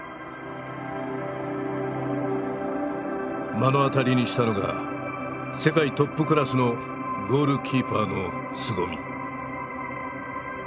目の当たりにしたのが世界トップクラスのゴールキーパーのすごみ。